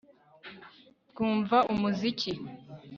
Twumva umuziki